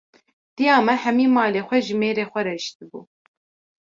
Diya me hemî malê xwe ji mêrê xwe re hişti bû.